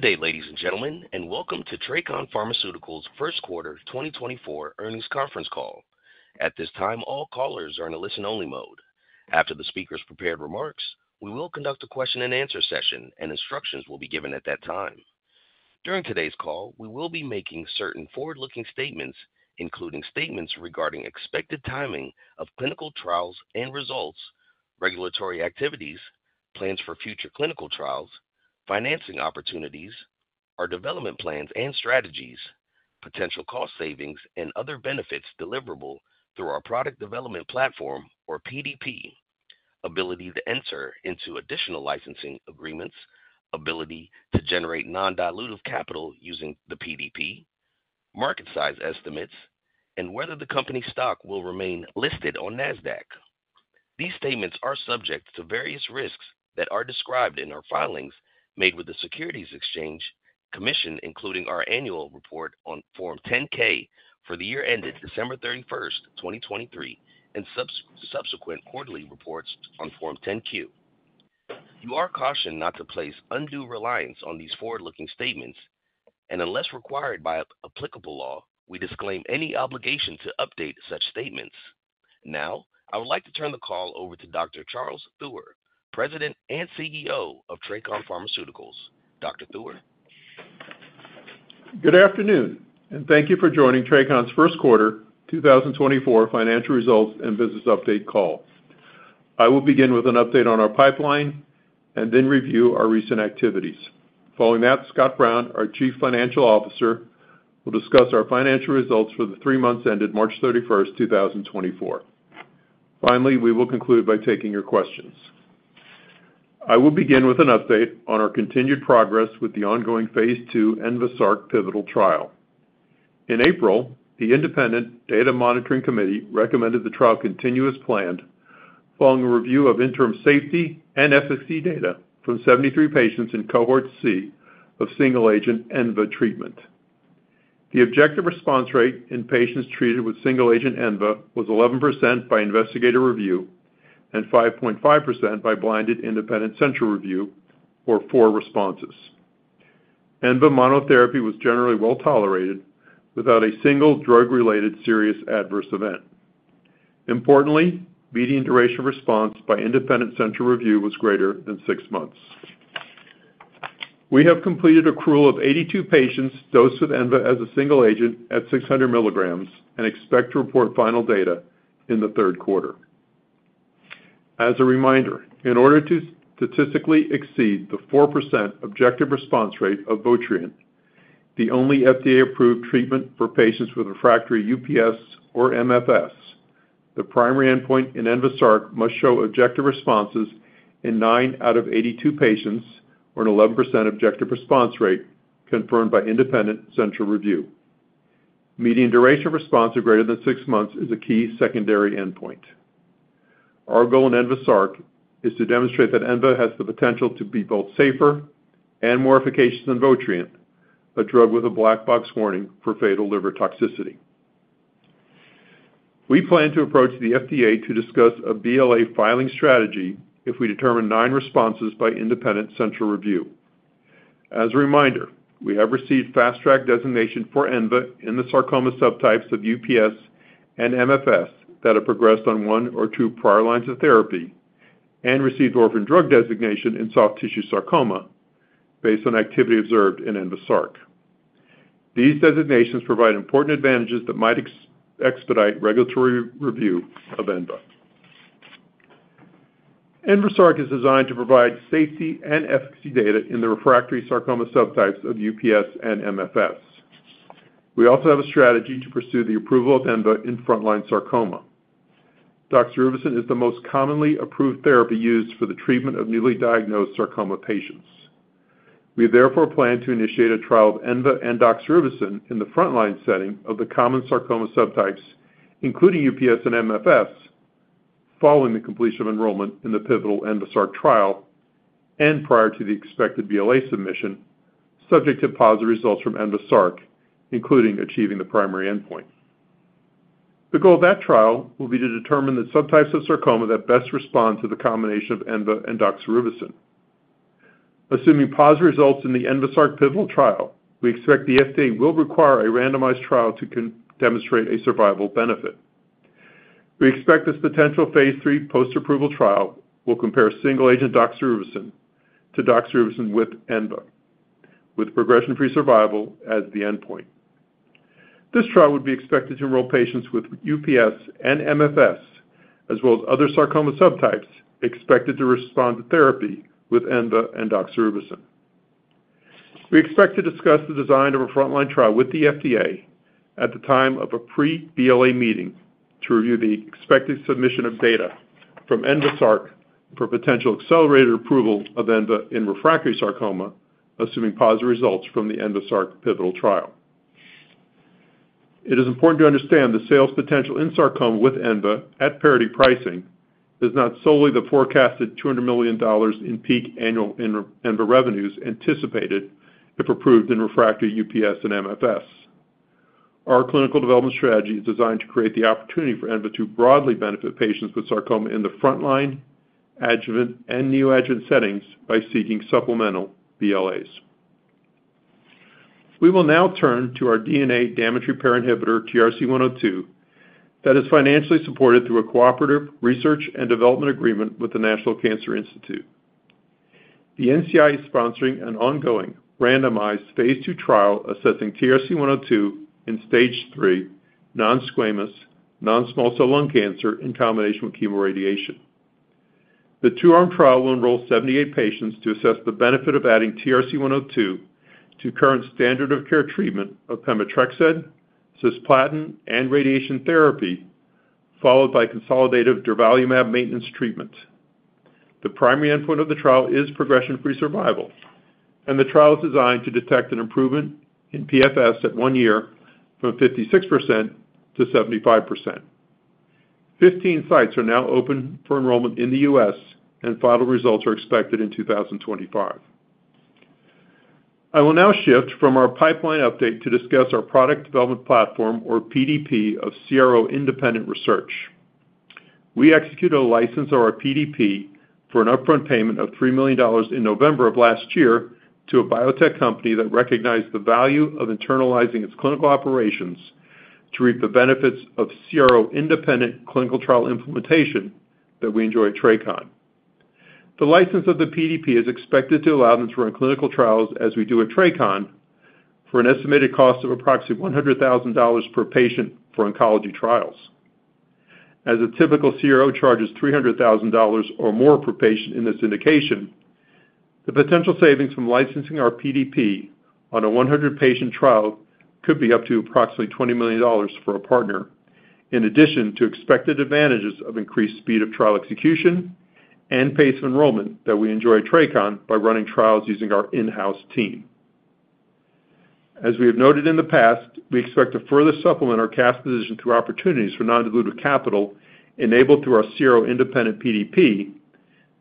Good day, ladies and gentlemen, and welcome to TRACON Pharmaceuticals' first quarter 2024 earnings conference call. At this time, all callers are in a listen-only mode. After the speaker's prepared remarks, we will conduct a question-and-answer session, and instructions will be given at that time. During today's call, we will be making certain forward-looking statements, including statements regarding expected timing of clinical trials and results, regulatory activities, plans for future clinical trials, financing opportunities, our development plans and strategies, potential cost savings, and other benefits deliverable through our product development platform, or PDP, ability to enter into additional licensing agreements, ability to generate non-dilutive capital using the PDP, market size estimates, and whether the company's stock will remain listed on NASDAQ. These statements are subject to various risks that are described in our filings made with the Securities and Exchange Commission, including our annual report on Form 10-K for the year ended December 31, 2023, and subsequent quarterly reports on Form 10-Q. You are cautioned not to place undue reliance on these forward-looking statements, and unless required by applicable law, we disclaim any obligation to update such statements. Now, I would like to turn the call over to Dr. Charles Theuer, President and CEO of TRACON Pharmaceuticals. Dr. Theuer. Good afternoon, and thank you for joining TRACON's first quarter 2024 financial results and business update call. I will begin with an update on our pipeline and then review our recent activities. Following that, Scott Brown, our Chief Financial Officer, will discuss our financial results for the three months ended March 31, 2024. Finally, we will conclude by taking your questions. I will begin with an update on our continued progress with the ongoing phase II ENVASARC pivotal trial. In April, the Independent Data Monitoring Committee recommended the trial continue as planned following a review of interim safety and efficacy data from 73 patients in cohort C of single-agent ENVA treatment. The objective response rate in patients treated with single-agent ENVA was 11% by investigator review and 5.5% by blinded independent central review, or four responses. ENVA monotherapy was generally well tolerated without a single drug-related serious adverse event. Importantly, median duration response by independent central review was greater than six months. We have completed accrual of 82 patients dosed with ENVA as a single agent at 600 milligrams and expect to report final data in the third quarter. As a reminder, in order to statistically exceed the 4% objective response rate of Votrient, the only FDA-approved treatment for patients with refractory UPS or MFS, the primary endpoint in ENVASARC must show objective responses in nine out of 82 patients, or an 11% objective response rate confirmed by independent central review. Median duration response of greater than six months is a key secondary endpoint. Our goal in ENVASARC is to demonstrate that ENVA has the potential to be both safer and more efficacious than Votrient, a drug with a black box warning for fatal liver toxicity. We plan to approach the FDA to discuss a BLA filing strategy if we determine 9 responses by independent central review. As a reminder, we have received fast-track designation for ENVA in the sarcoma subtypes of UPS and MFS that have progressed on 1 or 2 prior lines of therapy and received orphan drug designation in soft tissue sarcoma based on activity observed in ENVASARC. These designations provide important advantages that might expedite regulatory review of ENVA. ENVASARC is designed to provide safety and efficacy data in the refractory sarcoma subtypes of UPS and MFS. We also have a strategy to pursue the approval of ENVA in frontline sarcoma. Doxorubicin is the most commonly approved therapy used for the treatment of newly diagnosed sarcoma patients. We therefore plan to initiate a trial of ENVA and doxorubicin in the frontline setting of the common sarcoma subtypes, including UPS and MFS, following the completion of enrollment in the pivotal ENVASARC trial and prior to the expected BLA submission, subject to positive results from ENVASARC, including achieving the primary endpoint. The goal of that trial will be to determine the subtypes of sarcoma that best respond to the combination of ENVA and doxorubicin. Assuming positive results in the ENVASARC pivotal trial, we expect the FDA will require a randomized trial to demonstrate a survival benefit. We expect this potential phase III post-approval trial will compare single-agent doxorubicin to doxorubicin with ENVA, with progression-free survival as the endpoint. This trial would be expected to enroll patients with UPS and MFS, as well as other sarcoma subtypes, expected to respond to therapy with ENVA and doxorubicin. We expect to discuss the design of a frontline trial with the FDA at the time of a pre-BLA meeting to review the expected submission of data from ENVASARC for potential accelerated approval of ENVA in refractory sarcoma, assuming positive results from the ENVASARC pivotal trial. It is important to understand the sales potential in sarcoma with ENVA at parity pricing is not solely the forecasted $200 million in peak annual ENVA revenues anticipated if approved in refractory UPS and MFS. Our clinical development strategy is designed to create the opportunity for ENVA to broadly benefit patients with sarcoma in the frontline, adjuvant, and neoadjuvant settings by seeking supplemental BLAs. We will now turn to our DNA damage repair inhibitor, TRC102, that is financially supported through a cooperative research and development agreement with the National Cancer Institute. The NCI is sponsoring an ongoing randomized phase II trial assessing TRC102 in Stage III non-squamous, non-small cell lung cancer in combination with chemoradiation. The two-arm trial will enroll 78 patients to assess the benefit of adding TRC102 to current standard of care treatment of pemetrexed, cisplatin, and radiation therapy, followed by consolidative durvalumab maintenance treatment. The primary endpoint of the trial is progression-free survival, and the trial is designed to detect an improvement in PFS at one year from 56% to 75%. 15 sites are now open for enrollment in the U.S., and final results are expected in 2025. I will now shift from our pipeline update to discuss our product development platform, or PDP, of CRO independent research. We execute a license of our PDP for an upfront payment of $3 million in November of last year to a biotech company that recognized the value of internalizing its clinical operations to reap the benefits of CRO-independent clinical trial implementation that we enjoy at TRACON. The license of the PDP is expected to allow them to run clinical trials as we do at TRACON for an estimated cost of approximately $100,000 per patient for oncology trials. As a typical CRO charges $300,000 or more per patient in this indication, the potential savings from licensing our PDP on a 100-patient trial could be up to approximately $20 million for a partner, in addition to expected advantages of increased speed of trial execution and pace of enrollment that we enjoy at TRACON by running trials using our in-house team. As we have noted in the past, we expect to further supplement our cash position through opportunities for non-dilutive capital enabled through our CRO Independent PDP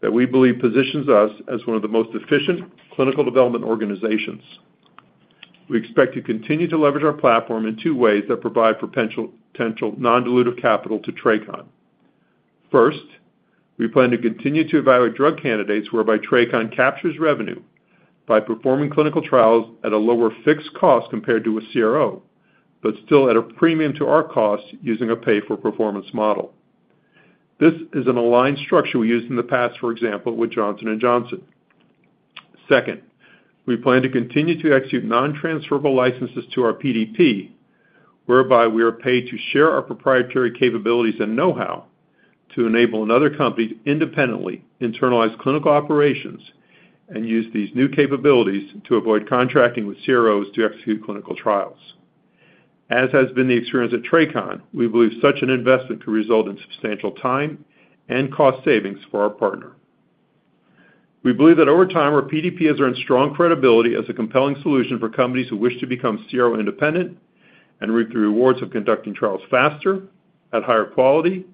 that we believe positions us as one of the most efficient clinical development organizations. We expect to continue to leverage our platform in two ways that provide potential non-dilutive capital to TRACON. First, we plan to continue to evaluate drug candidates whereby TRACON captures revenue by performing clinical trials at a lower fixed cost compared to a CRO, but still at a premium to our cost using a pay-for-performance model. This is an aligned structure we used in the past, for example, with Johnson & Johnson. Second, we plan to continue to execute non-transferable licenses to our PDP whereby we are paid to share our proprietary capabilities and know-how to enable another company to independently internalize clinical operations and use these new capabilities to avoid contracting with CROs to execute clinical trials. As has been the experience at TRACON, we believe such an investment could result in substantial time and cost savings for our partner. We believe that over time, our PDP has earned strong credibility as a compelling solution for companies who wish to become CRO independent and reap the rewards of conducting trials faster, at higher quality,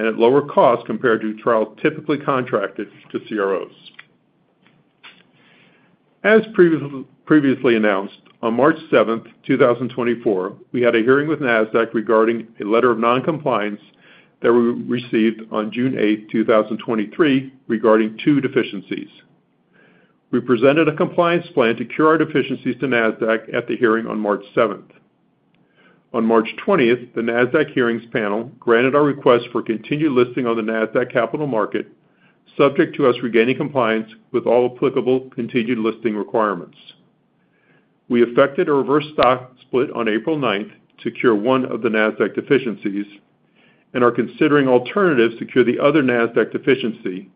and at lower cost compared to trials typically contracted to CROs. As previously announced, on March 7, 2024, we had a hearing with Nasdaq regarding a letter of non-compliance that we received on June 8, 2023, regarding two deficiencies. We presented a compliance plan to cure our deficiencies to Nasdaq at the hearing on March 7. On March 20, the Nasdaq hearings panel granted our request for continued listing on the Nasdaq capital market, subject to us regaining compliance with all applicable continued listing requirements. We effected a reverse stock split on April 9 to cure one of the Nasdaq deficiencies and are considering alternatives to cure the other Nasdaq deficiency,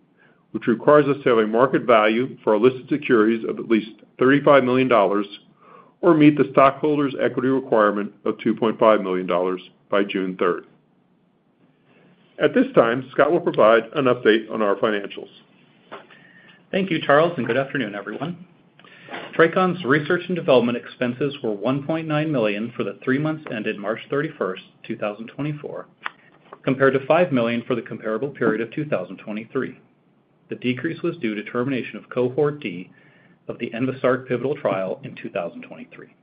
which requires us to have a market value for our listed securities of at least $35 million or meet the stockholders' equity requirement of $2.5 million by June 3. At this time, Scott will provide an update on our financials. Thank you, Charles, and good afternoon, everyone. TRACON's research and development expenses were $1.9 million for the three months ended March 31, 2024, compared to $5 million for the comparable period of 2023. The decrease was due to termination of cohort D of the ENVASARC pivotal trial in 2023.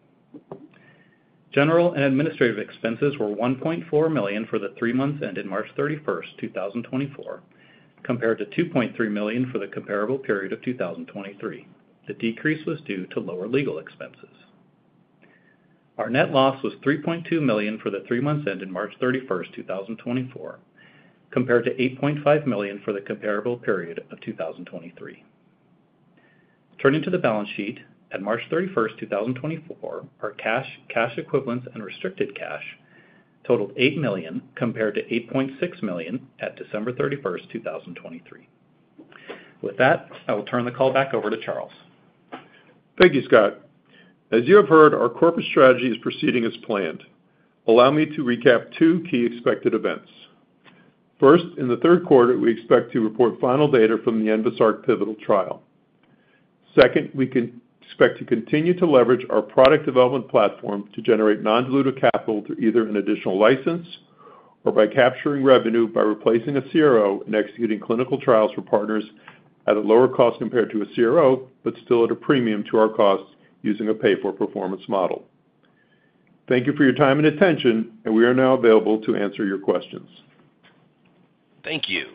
General and administrative expenses were $1.4 million for the three months ended March 31, 2024, compared to $2.3 million for the comparable period of 2023. The decrease was due to lower legal expenses. Our net loss was $3.2 million for the three months ended March 31, 2024, compared to $8.5 million for the comparable period of 2023. Turning to the balance sheet, at March 31, 2024, our cash, cash equivalents, and restricted cash totaled $8 million compared to $8.6 million at December 31, 2023. With that, I will turn the call back over to Charles. Thank you, Scott. As you have heard, our corporate strategy is proceeding as planned. Allow me to recap two key expected events. First, in the third quarter, we expect to report final data from the ENVASARC pivotal trial. Second, we expect to continue to leverage our product development platform to generate non-dilutive capital through either an additional license or by capturing revenue by replacing a CRO and executing clinical trials for partners at a lower cost compared to a CRO, but still at a premium to our cost using a pay-for-performance model. Thank you for your time and attention, and we are now available to answer your questions. Thank you.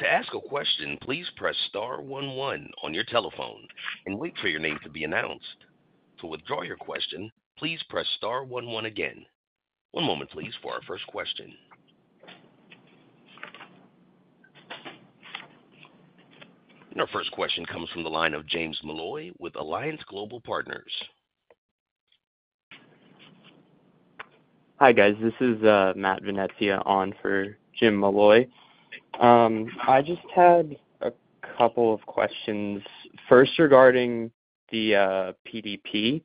To ask a question, please press star 11 on your telephone and wait for your name to be announced. To withdraw your question, please press star 11 again. One moment, please, for our first question. Our first question comes from the line of James Malloy with Alliance Global Partners. Hi, guys. This is Matt Venezia on for Jim Malloy. I just had a couple of questions, first regarding the PDP.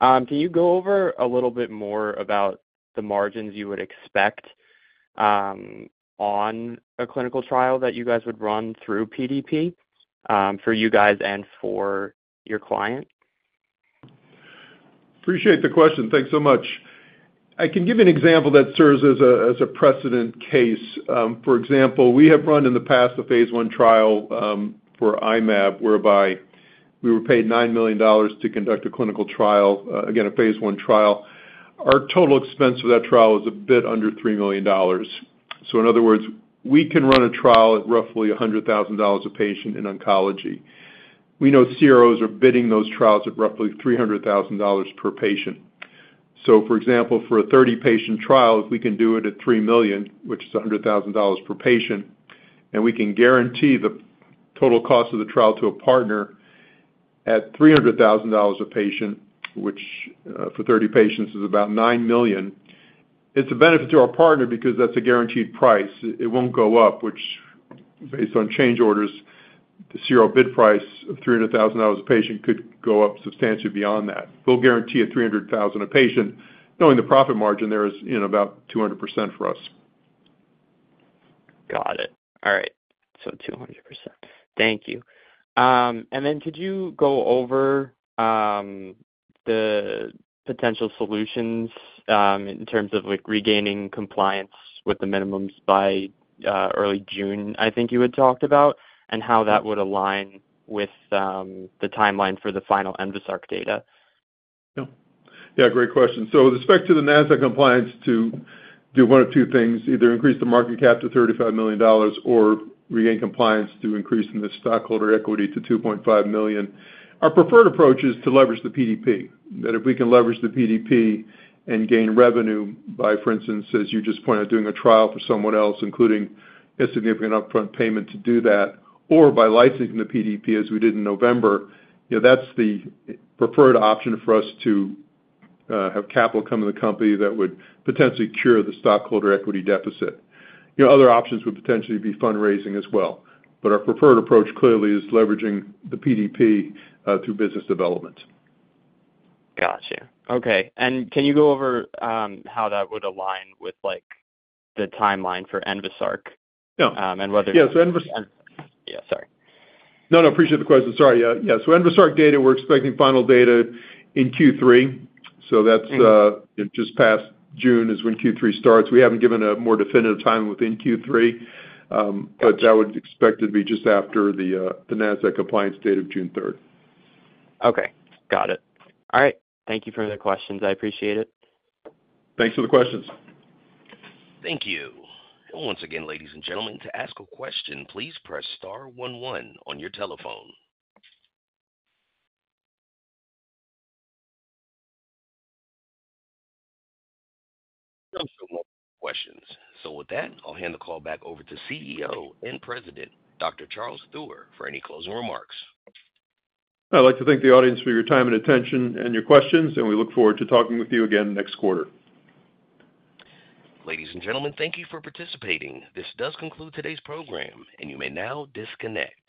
Can you go over a little bit more about the margins you would expect on a clinical trial that you guys would run through PDP, for you guys and for your client? Appreciate the question. Thanks so much. I can give an example that serves as a precedent case. For example, we have run in the past a phase I trial for I-Mab whereby we were paid $9 million to conduct a clinical trial, again, a phase I trial. Our total expense for that trial was a bit under $3 million. So in other words, we can run a trial at roughly $100,000 a patient in oncology. We know CROs are bidding those trials at roughly $300,000 per patient. So for example, for a 30-patient trial, if we can do it at $3 million, which is $100,000 per patient, and we can guarantee the total cost of the trial to a partner at $300,000 a patient, which for 30 patients is about $9 million, it's a benefit to our partner because that's a guaranteed price. It won't go up, which, based on change orders, the CRO bid price of $300,000 a patient could go up substantially beyond that. We'll guarantee a $300,000 a patient, knowing the profit margin there is about 200% for us. Got it. All right. So 200%. Thank you. And then could you go over the potential solutions in terms of regaining compliance with the minimums by early June, I think you had talked about, and how that would align with the timeline for the final ENVASARC data? Yeah. Yeah, great question. So with respect to the Nasdaq compliance, to do one of two things: either increase the market cap to $35 million or regain compliance to increase in the stockholder equity to $2.5 million. Our preferred approach is to leverage the PDP, that if we can leverage the PDP and gain revenue by, for instance, as you just pointed out, doing a trial for someone else, including a significant upfront payment to do that, or by licensing the PDP as we did in November, that's the preferred option for us to have capital come to the company that would potentially cure the stockholder equity deficit. Other options would potentially be fundraising as well. But our preferred approach clearly is leveraging the PDP through business development. Gotcha. Okay. Can you go over how that would align with the timeline for ENVASARC and whether? Yeah. So ENVASARC. Yeah. Sorry. No, no. Appreciate the question. Sorry. Yeah. So ENVASARC data, we're expecting final data in Q3. So that's just past June, is when Q3 starts. We haven't given a more definitive time within Q3, but that would expect to be just after the NASDAQ compliance date of June 3. Okay. Got it. All right. Thank you for the questions. I appreciate it. Thanks for the questions. Thank you. And once again, ladies and gentlemen, to ask a question, please press star one one on your telephone. No further questions. So with that, I'll hand the call back over to CEO and President, Dr. Charles Theuer, for any closing remarks. I'd like to thank the audience for your time and attention and your questions, and we look forward to talking with you again next quarter. Ladies and gentlemen, thank you for participating. This does conclude today's program, and you may now disconnect.